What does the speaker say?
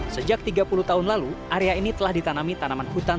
sejak tiga puluh tahun lalu area ini telah ditanami tanaman hutan